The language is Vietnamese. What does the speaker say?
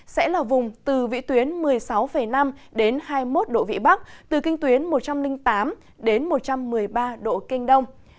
sẽ là vùng từ vĩ tuyến một mươi sáu năm đến hai mươi một độ vị bắc từ kinh tuyến một trăm linh tám đến một trăm một mươi ba độ kinh đông